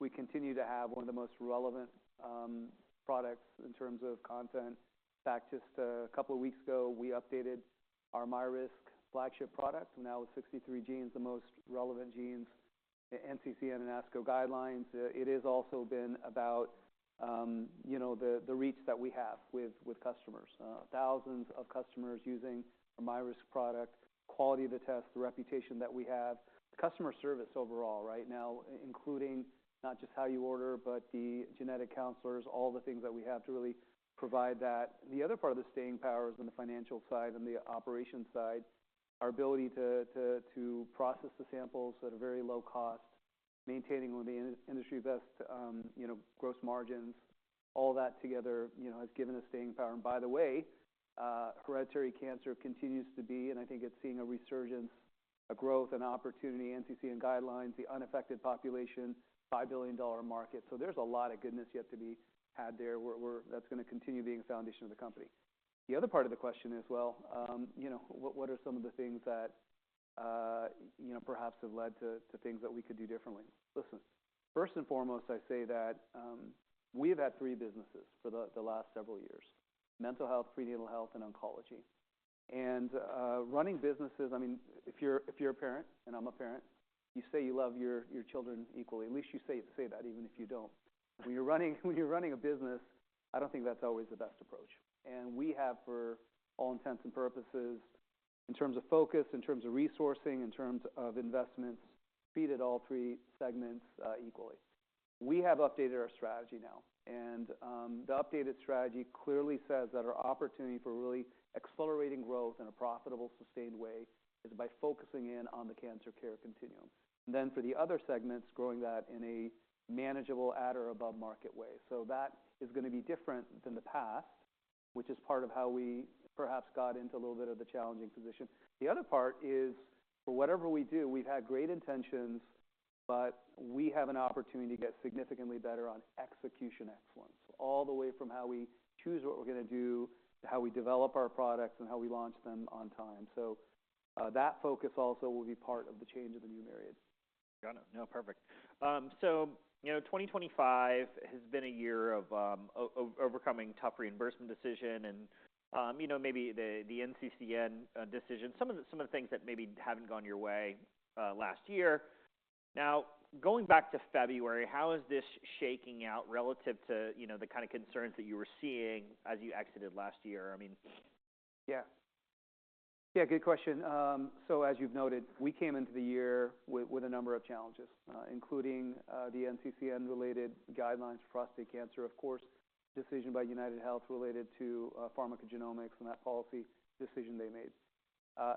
We continue to have one of the most relevant products in terms of content. Back just a couple of weeks ago, we updated our MyRisk flagship product. Now with 63 genes, the most relevant genes in NCCN and ASCO guidelines. It has also been about, you know, the reach that we have with customers. Thousands of customers using our MyRisk product. Quality of the test, the reputation that we have. Customer service overall right now, including not just how you order but the genetic counselors, all the things that we have to really provide that. The other part of the staying power is on the financial side and the operation side. Our ability to process the samples at a very low cost, maintaining one of the industry best, you know, gross margins. All that together, you know, has given us staying power. And by the way, hereditary cancer continues to be, and I think it's seeing a resurgence, a growth, an opportunity. NCCN guidelines, the unaffected population, $5 billion market. So there's a lot of goodness yet to be had there. We're, we're that's gonna continue being the foundation of the company. The other part of the question is, well, you know, what, what are some of the things that, you know, perhaps have led to, to things that we could do differently? Listen, first and foremost, I say that, we have had three businesses for the, the last several years: mental health, prenatal health, and oncology. And, running businesses, I mean, if you're, if you're a parent, and I'm a parent, you say you love your, your children equally. At least you say, say that even if you don't. When you're running, when you're running a business, I don't think that's always the best approach, and we have, for all intents and purposes, in terms of focus, in terms of resourcing, in terms of investments, treated all three segments equally. We have updated our strategy now, and the updated strategy clearly says that our opportunity for really accelerating growth in a profitable, sustained way is by focusing in on the cancer care continuum, then for the other segments, growing that in a manageable at or above-market way, so that is gonna be different than the past, which is part of how we perhaps got into a little bit of the challenging position. The other part is, for whatever we do, we've had great intentions, but we have an opportunity to get significantly better on execution excellence. All the way from how we choose what we're gonna do to how we develop our products and how we launch them on time. So, that focus also will be part of the change of the new Myriad. Got it. No, perfect. So, you know, 2025 has been a year of overcoming tough reimbursement decision and, you know, maybe the NCCN decision. Some of the things that maybe haven't gone your way last year. Now, going back to February, how is this shaking out relative to, you know, the kinda concerns that you were seeing as you exited last year? I mean. Yeah. Yeah, good question. So as you've noted, we came into the year with a number of challenges, including the NCCN-related guidelines for prostate cancer, of course, decision by UnitedHealthcare related to pharmacogenomics and that policy decision they made.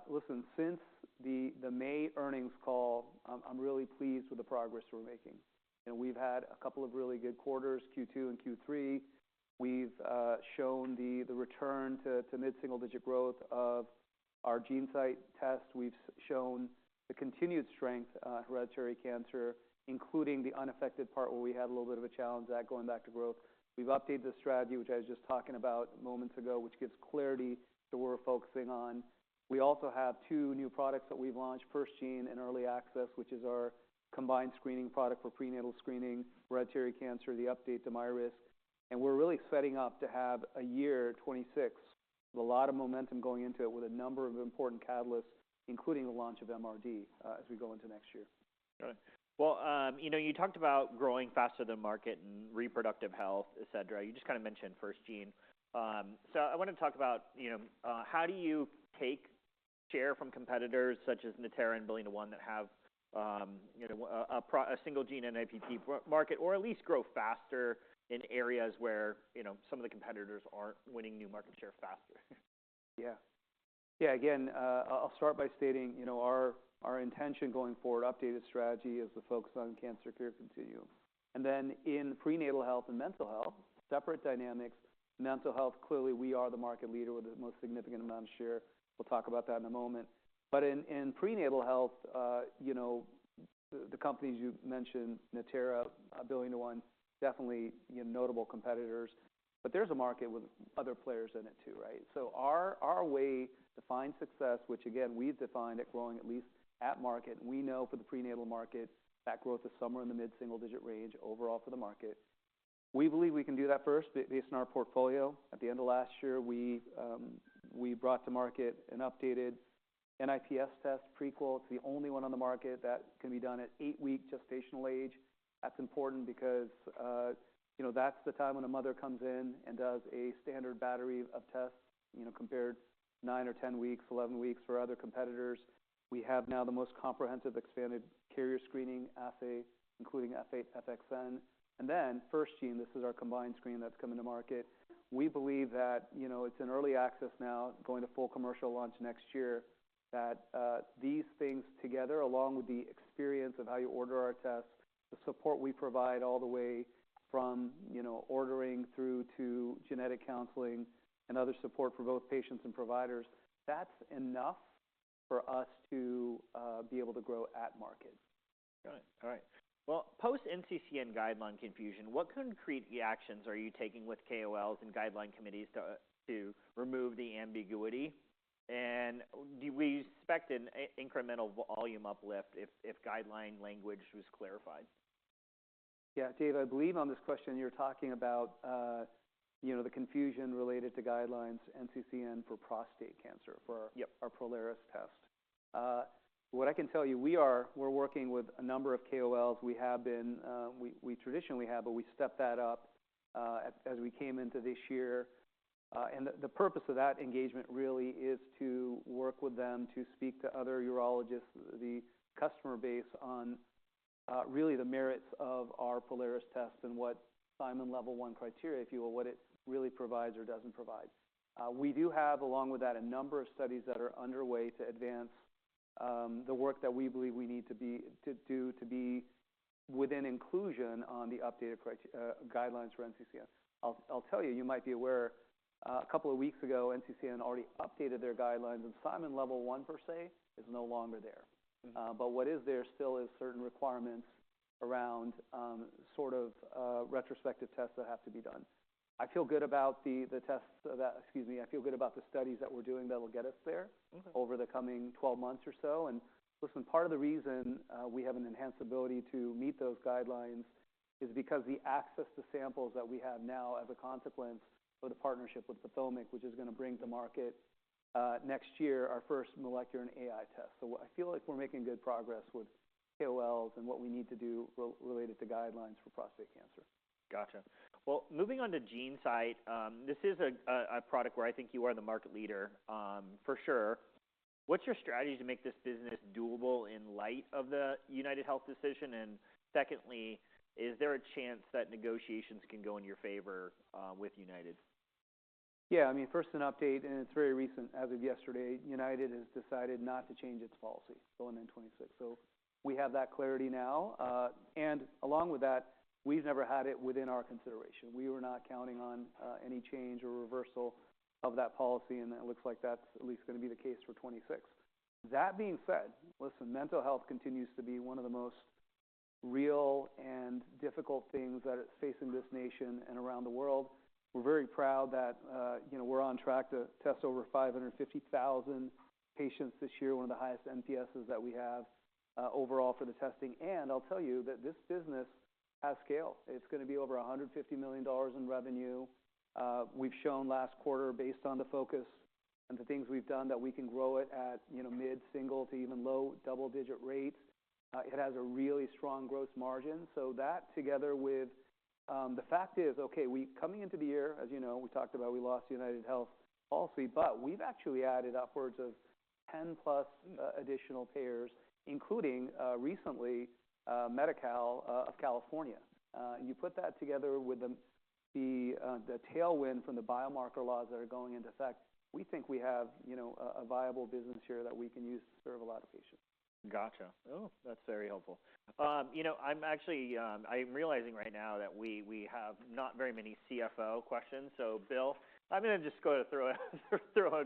Listen, since the May earnings call, I'm really pleased with the progress we're making. You know, we've had a couple of really good quarters, Q2 and Q3. We've shown the return to mid-single-digit growth of our GeneSight test. We've shown the continued strength in hereditary cancer, including the unaffected part where we had a little bit of a challenge but going back to growth. We've updated the strategy, which I was just talking about moments ago, which gives clarity to where we're focusing on. We also have two new products that we've launched: FirstGene and Early Access, which is our combined screening product for prenatal screening, hereditary cancer, the update to MyRisk. We're really setting up to have a year 2026 with a lot of momentum going into it with a number of important catalysts, including the launch of MRD, as we go into next year. Got it. Well, you know, you talked about growing faster than market and reproductive health, etc. You just kinda mentioned FirstGene. So I wanna talk about, you know, how do you take share from competitors such as Natera and BillionToOne that have, you know, a proprietary single-gene NIPT market or at least grow faster in areas where, you know, some of the competitors aren't winning new market share faster? Yeah. Yeah, again, I'll start by stating, you know, our intention going forward, updated strategy is to focus on cancer care continuum, and then in prenatal health and mental health, separate dynamics. Mental health, clearly, we are the market leader with the most significant amount of share. We'll talk about that in a moment, but in prenatal health, you know, the companies you mentioned, Natera, BillionToOne, definitely, you know, notable competitors. But there's a market with other players in it too, right? Our way to find success, which again, we've defined at growing at least at market, and we know for the prenatal market, that growth is somewhere in the mid-single-digit range overall for the market. We believe we can do that first based on our portfolio. At the end of last year, we brought to market an updated NIPS test, Prequel. It's the only one on the market that can be done at eight-week gestational age. That's important because, you know, that's the time when a mother comes in and does a standard battery of tests, you know, compared to nine or 10 weeks, 11 weeks for other competitors. We have now the most comprehensive expanded carrier screening assay, including F8, FXN. And then FirstGene, this is our combined screen that's coming to market. We believe that, you know, it's in early access now, going to full commercial launch next year, that these things together, along with the experience of how you order our tests, the support we provide all the way from, you know, ordering through to genetic counseling and other support for both patients and providers, that's enough for us to be able to grow at market. Got it. All right. Well, post-NCCN guideline confusion, what concrete actions are you taking with KOLs and guideline committees to remove the ambiguity? And do we expect an incremental volume uplift if guideline language was clarified? Yeah, Dave, I believe on this question, you're talking about, you know, the confusion related to guidelines NCCN for prostate cancer, for our. Yep. Our Prolaris test. What I can tell you, we are working with a number of KOLs. We have been, we traditionally have, but we stepped that up, as we came into this year. And the purpose of that engagement really is to work with them to speak to other urologists, the customer base on really the merits of our Prolaris test and what Simon Level 1 criteria, if you will, what it really provides or doesn't provide. We do have, along with that, a number of studies that are underway to advance the work that we believe we need to do to be within inclusion on the updated criteria guidelines for NCCN. I'll tell you, you might be aware, a couple of weeks ago, NCCN already updated their guidelines, and Simon Level 1, per se, is no longer there. Mm-hmm. But what's there still is certain requirements around, sort of, retrospective tests that have to be done. I feel good about the studies that we're doing that'll get us there. Okay. Over the coming 12 months or so, and listen, part of the reason we have an enhanced ability to meet those guidelines is because the access to samples that we have now, as a consequence of the partnership with PATHOMIQ, which is gonna bring to market next year our first molecular and AI test. So I feel like we're making good progress with KOLs and what we need to do related to guidelines for prostate cancer. Gotcha. Well, moving on to GeneSight, this is a product where I think you are the market leader, for sure. What's your strategy to make this business doable in light of the UnitedHealthcare decision? And secondly, is there a chance that negotiations can go in your favor, with UnitedHealthcare? Yeah, I mean, first an update, and it's very recent, as of yesterday, UnitedHealthcare has decided not to change its policy, going in 2026. So we have that clarity now. And along with that, we've never had it within our consideration. We were not counting on any change or reversal of that policy, and it looks like that's at least gonna be the case for 2026. That being said, listen, mental health continues to be one of the most real and difficult things that is facing this nation and around the world. We're very proud that, you know, we're on track to test over 550,000 patients this year, one of the highest NPSs that we have, overall for the testing. And I'll tell you that this business has scale. It's gonna be over $150 million in revenue. We've shown last quarter, based on the focus and the things we've done, that we can grow it at, you know, mid-single to even low double-digit rates. It has a really strong gross margin. So that together with the fact is, okay, we coming into the year, as you know, we talked about we lost UnitedHealthcare's policy, but we've actually added upwards of 10-plus additional payers, including recently Medi-Cal of California. You put that together with the tailwind from the biomarker laws that are going into effect, we think we have, you know, a viable business here that we can use to serve a lot of patients. Gotcha. Oh, that's very helpful. You know, I'm actually, I'm realizing right now that we, we have not very many CFO questions. So, Bill, I'm gonna just go ahead and throw a,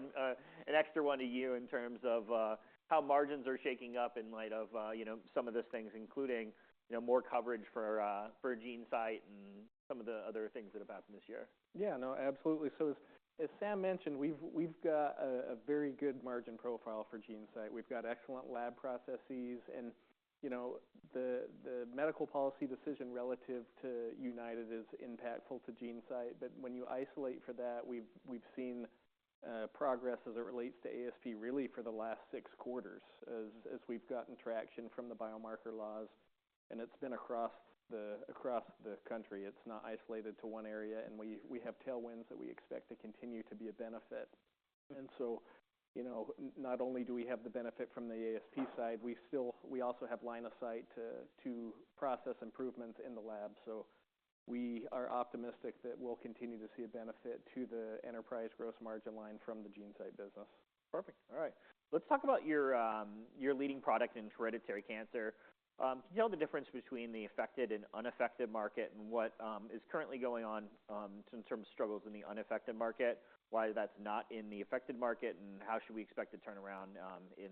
an extra one to you in terms of, how margins are shaking up in light of, you know, some of these things, including, you know, more coverage for, for GeneSight and some of the other things that have happened this year. Yeah, no, absolutely. So as Sam mentioned, we've got a very good margin profile for GeneSight. We've got excellent lab processes. And, you know, the medical policy decision relative to UnitedHealthcare is impactful to GeneSight. But when you isolate for that, we've seen progress as it relates to ASP really for the last six quarters as we've gotten traction from the biomarker laws. And it's been across the country. It's not isolated to one area. And we have tailwinds that we expect to continue to be a benefit. And so, you know, not only do we have the benefit from the ASP side, we still also have line of sight to process improvements in the lab. So we are optimistic that we'll continue to see a benefit to the enterprise gross margin line from the GeneSight business. Perfect. All right. Let's talk about your, your leading product in hereditary cancer. Can you tell the difference between the affected and unaffected market and what is currently going on, in terms of struggles in the unaffected market? Why that's not in the affected market, and how should we expect to turn around, in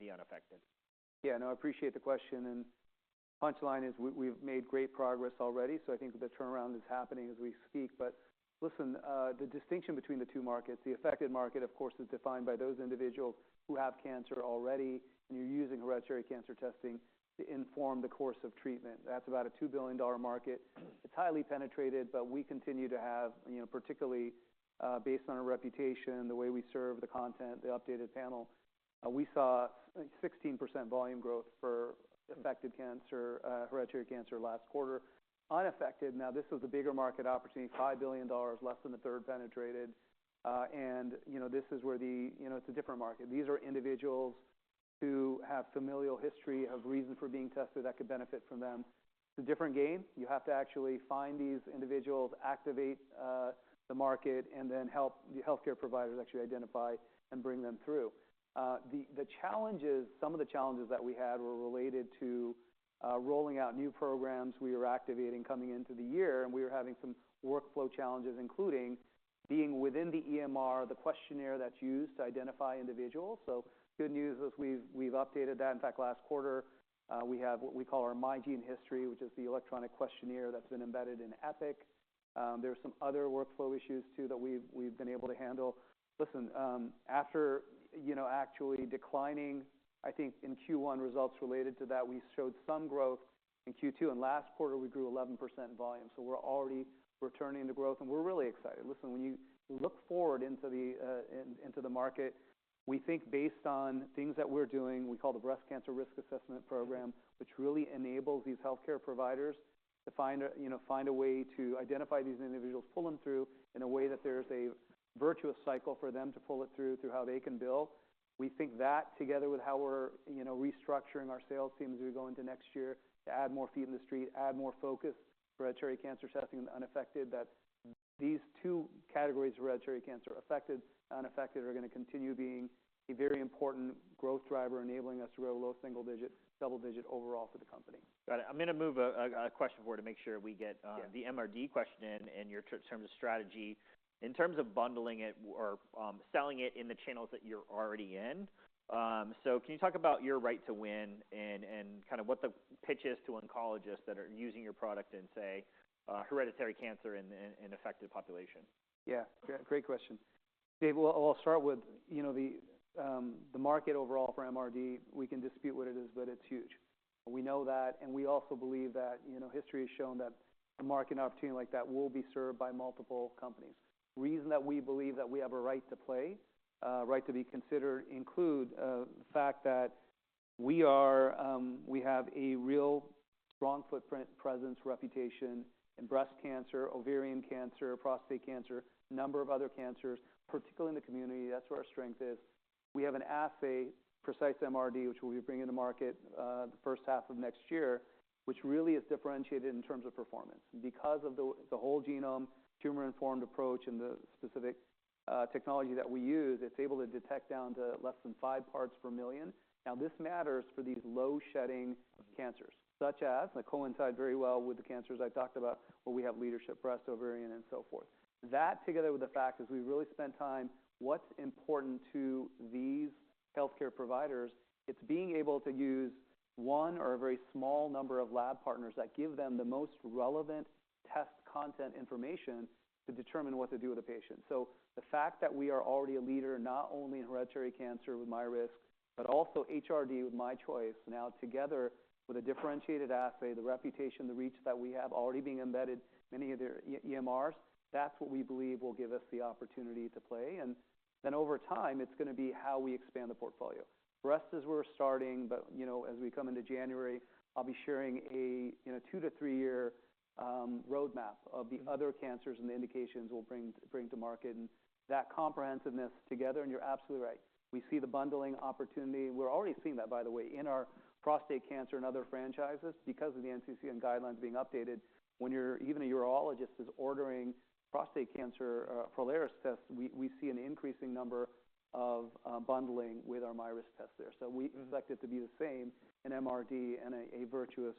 the unaffected? Yeah, no, I appreciate the question. And punchline is, we, we've made great progress already. So I think the turnaround is happening as we speak. But listen, the distinction between the two markets, the affected market, of course, is defined by those individuals who have cancer already, and you're using hereditary cancer testing to inform the course of treatment. That's about a $2 billion market. It's highly penetrated, but we continue to have, you know, particularly, based on our reputation, the way we serve, the content, the updated panel, we saw 16% volume growth for affected cancer, hereditary cancer last quarter. Unaffected, now this is the bigger market opportunity, $5 billion, less than a third penetrated. And, you know, this is where the, you know, it's a different market. These are individuals who have familial history, have reason for being tested that could benefit from them. It's a different game. You have to actually find these individuals, activate the market, and then help the healthcare providers actually identify and bring them through. The challenges, some of the challenges that we had were related to rolling out new programs we were activating coming into the year. And we were having some workflow challenges, including being within the EMR, the questionnaire that's used to identify individuals. So good news is we've updated that. In fact, last quarter, we have what we call our MyGeneHistory, which is the electronic questionnaire that's been embedded in Epic. There are some other workflow issues too that we've been able to handle. Listen, after you know, actually declining, I think in Q1 results related to that, we showed some growth in Q2. And last quarter, we grew 11% in volume. So we're already returning to growth, and we're really excited. Listen, when you look forward into the market, we think based on things that we're doing, we call the Breast Cancer Risk Assessment Program, which really enables these healthcare providers to find a way to identify these individuals, pull them through in a way that there's a virtuous cycle for them to pull it through, through how they can bill. We think that together with how we're, you know, restructuring our sales teams as we go into next year to add more feet in the street, add more focus to hereditary cancer testing in the unaffected, that these two categories of hereditary cancer, affected and unaffected, are gonna continue being a very important growth driver, enabling us to grow low single-digit, double-digit overall for the company. Got it. I'm gonna move a question forward to make sure we get, Yeah. The MRD question in your terms of strategy. In terms of bundling it or selling it in the channels that you're already in, so can you talk about your right to win and kinda what the pitch is to oncologists that are using your product in, say, hereditary cancer in an affected population? Yeah. Great question. Dave, well, I'll start with, you know, the market overall for MRD. We can dispute what it is, but it's huge. We know that, and we also believe that, you know, history has shown that a market opportunity like that will be served by multiple companies. The reason that we believe that we have a right to play, right to be considered, includes the fact that we have a real strong footprint, presence, reputation in breast cancer, ovarian cancer, prostate cancer, a number of other cancers, particularly in the community. That's where our strength is. We have an assay, Precise MRD, which we'll be bringing to market, the first half of next year, which really is differentiated in terms of performance. Because of the whole-genome tumor-informed approach and the specific technology that we use, it's able to detect down to less than five parts per million. Now, this matters for these low-shedding cancers, such as, and that coincide very well with the cancers I talked about where we have leadership: breast, ovarian, and so forth. That, together with the fact as we really spent time, what's important to these healthcare providers, it's being able to use one or a very small number of lab partners that give them the most relevant test content information to determine what to do with a patient. So the fact that we are already a leader, not only in hereditary cancer with MyRisk, but also HRD with MyChoice, now together with a differentiated assay, the reputation, the reach that we have already being embedded, many of their EMRs, that's what we believe will give us the opportunity to play. And then over time, it's gonna be how we expand the portfolio. For us, as we're starting, but, you know, as we come into January, I'll be sharing a, you know, two- to three-year roadmap of the other cancers and the indications we'll bring to market. And that comprehensiveness together, and you're absolutely right. We see the bundling opportunity. We're already seeing that, by the way, in our prostate cancer and other franchises because of the NCCN guidelines being updated. When even a urologist is ordering prostate cancer Prolaris test, we see an increasing number of bundling with our MyRisk test there. So we. Mm-hmm. Expect it to be the same in MRD and a virtuous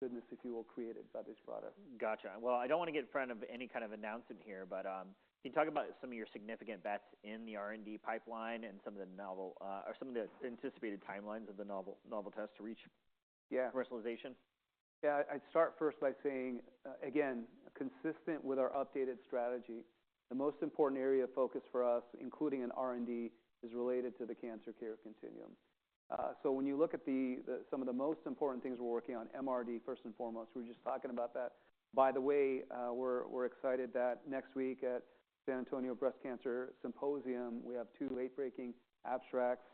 goodness, if you will, created by this product. Gotcha. Well, I don't wanna get in front of any kind of announcement here, but can you talk about some of your significant bets in the R&D pipeline and some of the novel, or some of the anticipated timelines of the novel test to reach commercialization? Yeah. I'd start first by saying, again, consistent with our updated strategy, the most important area of focus for us, including in R&D, is related to the cancer care continuum. So when you look at some of the most important things we're working on, MRD first and foremost, we were just talking about that. By the way, we're excited that next week at San Antonio Breast Cancer Symposium, we have two late-breaking abstracts,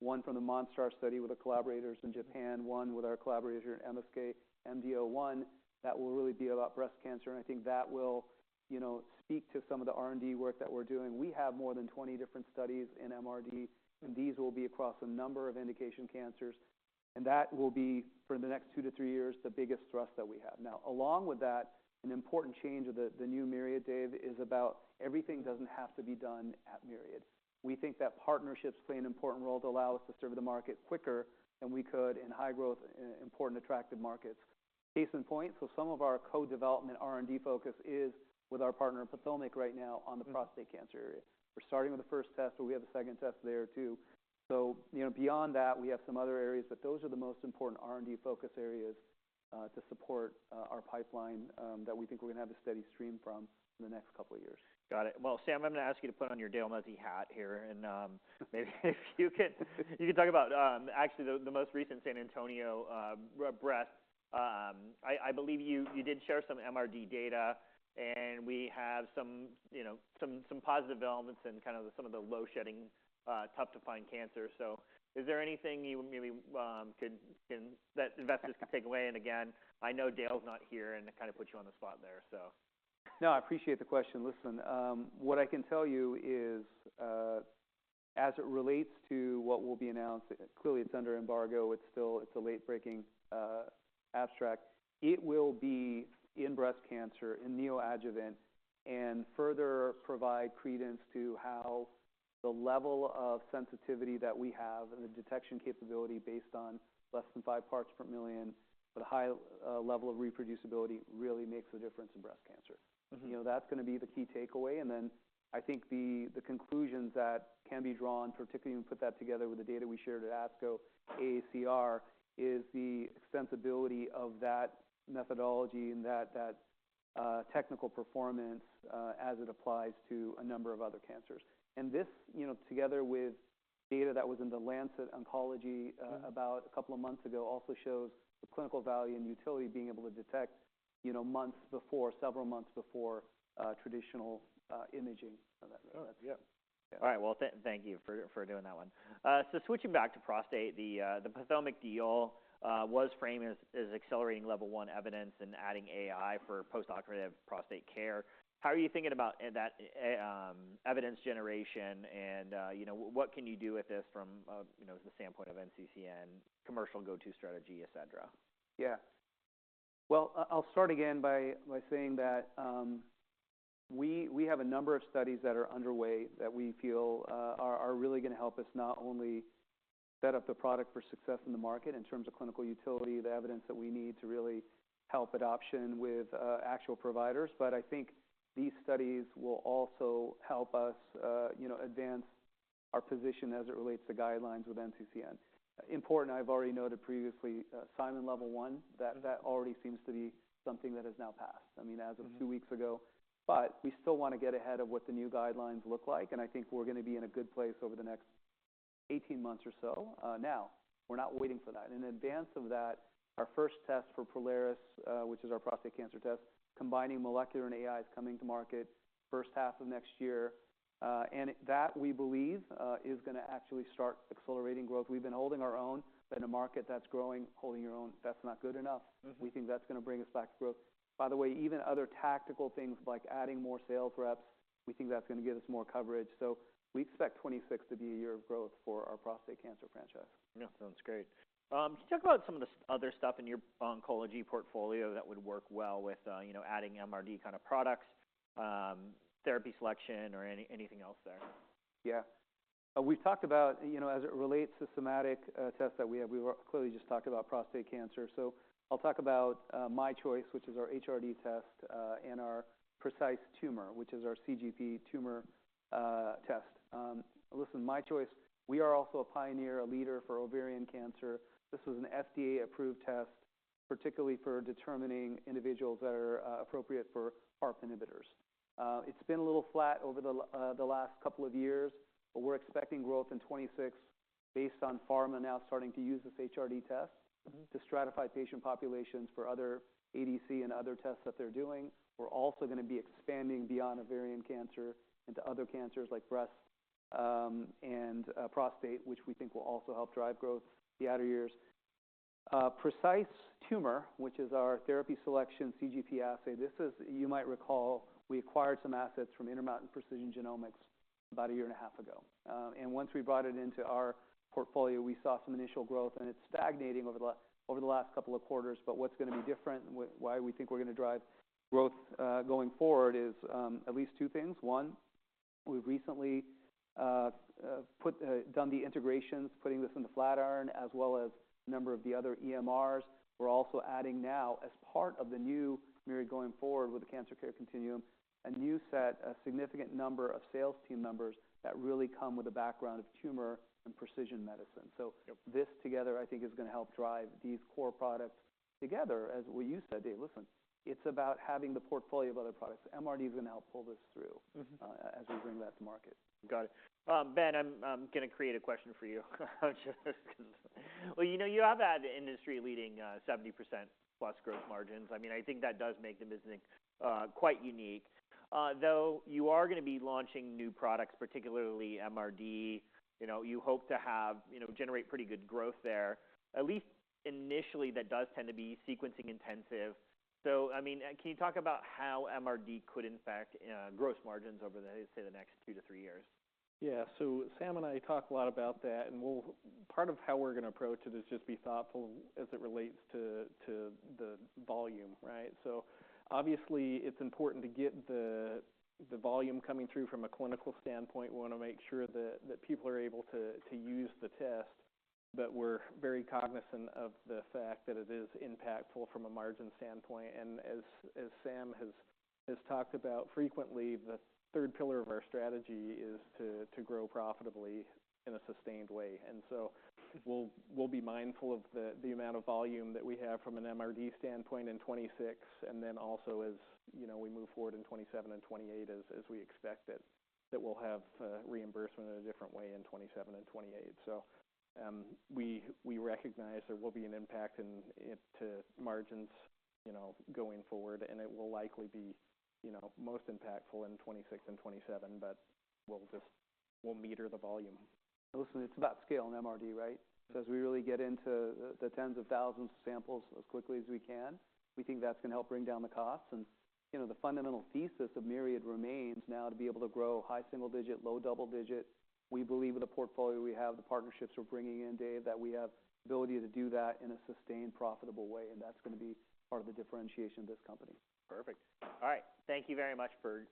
one from the MONSTAR-SCREEN-3 study with our collaborators in Japan, one with our collaborator here at MSK, MD01, that will really be about breast cancer. And I think that will, you know, speak to some of the R&D work that we're doing. We have more than 20 different studies in MRD, and these will be across a number of indication cancers. That will be, for the next two to three years, the biggest thrust that we have. Now, along with that, an important change of the new Myriad, Dave, is about everything doesn't have to be done at Myriad. We think that partnerships play an important role to allow us to serve the market quicker than we could in high-growth, important attractive markets. Case in point, some of our co-development R&D focus is with our partner PATHOMIQ right now on the prostate cancer area. We're starting with the first test, but we have a second test there too. You know, beyond that, we have some other areas, but those are the most important R&D focus areas to support our pipeline that we think we're gonna have a steady stream from in the next couple of years. Got it. Well, Sam, I'm gonna ask you to put on your Dale Muzzey hat here and maybe if you could talk about actually the most recent San Antonio Breast. I believe you did share some MRD data, and we have some, you know, some positive elements in kind of some of the low-shedding, tough-to-find cancers. So is there anything you maybe could that investors could take away? And again, I know Dale's not here, and it kinda puts you on the spot there, so. No, I appreciate the question. Listen, what I can tell you is, as it relates to what will be announced, clearly it's under embargo. It's still a late-breaking abstract. It will be in breast cancer, in neoadjuvant, and further provide credence to how the level of sensitivity that we have and the detection capability based on less than five parts per million, but a high level of reproducibility really makes a difference in breast cancer. Mm-hmm. You know, that's gonna be the key takeaway. And then I think the conclusions that can be drawn, particularly when we put that together with the data we shared at ASCO, AACR, is the extensibility of that methodology and that technical performance, as it applies to a number of other cancers. And this, you know, together with data that was in the Lancet Oncology, about a couple of months ago, also shows the clinical value and utility of being able to detect, you know, months before, several months before, traditional imaging. So that, that's. Oh, yeah. Yeah. All right. Well, thank you for doing that one. So switching back to prostate, the PATHOMIQ deal was framed as accelerating level one evidence and adding AI for post-operative prostate care. How are you thinking about that evidence generation and, you know, what can you do with this from, you know, the standpoint of NCCN, commercial go-to strategy, etc.? Yeah. Well, I'll start again by saying that we have a number of studies that are underway that we feel are really gonna help us not only set up the product for success in the market in terms of clinical utility, the evidence that we need to really help adoption with actual providers, but I think these studies will also help us, you know, advance our position as it relates to guidelines with NCCN. Importantly, I've already noted previously, category 1, that already seems to be something that has now passed. I mean, as of two weeks ago. Mm-hmm. But we still wanna get ahead of what the new guidelines look like. And I think we're gonna be in a good place over the next 18 months or so. Now, we're not waiting for that. In advance of that, our first test for Prolaris, which is our prostate cancer test, combining molecular and AI, is coming to market first half of next year. And that, we believe, is gonna actually start accelerating growth. We've been holding our own, but in a market that's growing, holding your own, that's not good enough. Mm-hmm. We think that's gonna bring us back to growth. By the way, even other tactical things like adding more sales reps, we think that's gonna give us more coverage. So we expect 2026 to be a year of growth for our prostate cancer franchise. Yeah. Sounds great. Can you talk about some of the other stuff in your oncology portfolio that would work well with, you know, adding MRD kinda products, therapy selection, or anything else there? Yeah. We've talked about, you know, as it relates to somatic tests that we have. We were clearly just talking about prostate cancer. So I'll talk about MyChoice, which is our HRD test, and our Precise Tumor, which is our CGP tumor test. Listen, MyChoice, we are also a pioneer, a leader for ovarian cancer. This is an FDA-approved test, particularly for determining individuals that are appropriate for PARP inhibitors. It's been a little flat over the last couple of years, but we're expecting growth in 2026 based on pharma now starting to use this HRD test. Mm-hmm. To stratify patient populations for other ADC and other tests that they're doing. We're also gonna be expanding beyond ovarian cancer into other cancers like breast and prostate, which we think will also help drive growth the outer years. Precise Tumor, which is our therapy selection CGP assay, this is, you might recall, we acquired some assets from Intermountain Precision Genomics about a year and a half ago, and once we brought it into our portfolio, we saw some initial growth, and it's stagnating over the last couple of quarters. But what's gonna be different and why we think we're gonna drive growth, going forward is, at least two things. One, we've recently done the integrations, putting this in the Flatiron, as well as a number of the other EMRs. We're also adding now, as part of the new Myriad going forward with the cancer care continuum, a new set, a significant number of sales team members that really come with a background of tumor and precision medicine. So. Yep. This together, I think, is gonna help drive these core products together. As what you said, Dave, listen, it's about having the portfolio of other products. MRD is gonna help pull this through. Mm-hmm. As we bring that to market. Got it. Ben, I'm gonna create a question for you. I'm just 'cause well, you know, you have had industry-leading 70+% gross margins. I mean, I think that does make the business quite unique. Though, you are gonna be launching new products, particularly MRD. You know, you hope to have, you know, generate pretty good growth there. At least initially, that does tend to be sequencing intensive. So, I mean, can you talk about how MRD could impact gross margins over, say, the next two to three years? Yeah. So Sam and I talk a lot about that, and well, part of how we're gonna approach it is just be thoughtful as it relates to, to the volume, right? So obviously, it's important to get the, the volume coming through from a clinical standpoint. We wanna make sure that, that people are able to, to use the test. But we're very cognizant of the fact that it is impactful from a margin standpoint. And as, as Sam has, has talked about frequently, the third pillar of our strategy is to, to grow profitably in a sustained way. And so we'll, we'll be mindful of the, the amount of volume that we have from an MRD standpoint in 2026, and then also as, you know, we move forward in 2027 and 2028, as, as we expect it, that we'll have, reimbursement in a different way in 2027 and 2028. So, we recognize there will be an impact into margins, you know, going forward, and it will likely be, you know, most impactful in 2026 and 2027, but we'll just meter the volume. Listen, it's about scale in MRD, right? As we really get into the tens of thousands of samples as quickly as we can, we think that's gonna help bring down the costs. And, you know, the fundamental thesis of Myriad remains now to be able to grow high single-digit, low double-digit. We believe with the portfolio we have, the partnerships we're bringing in, Dave, that we have the ability to do that in a sustained, profitable way. And that's gonna be part of the differentiation of this company. Perfect. All right. Thank you very much for.